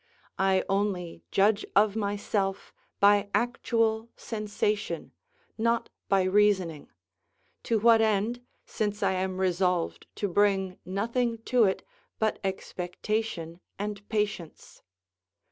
I only judge of myself by actual sensation, not by reasoning: to what end, since I am resolved to bring nothing to it but expectation and patience?